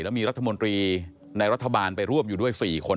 แล้วมีรัฐมนตรีในรัฐบาลไปร่วมอยู่ด้วย๔คน